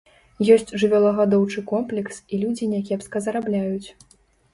Ёсць жывёлагадоўчы комплекс, і людзі някепска зарабляюць.